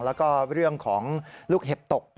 แล้วก็เรื่องของลูกเห็บตก